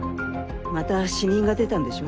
また死人が出たんでしょ。